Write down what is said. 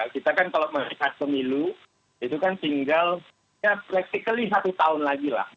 kita kan kalau mereka semilu itu kan tinggal ya praktik sekali satu tahun lagi lah